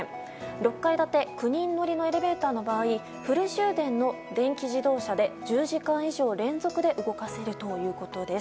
６階建て、９人乗りのエレベーターの場合フル充電の電気自動車で１０時間以上連続で動かせるということです。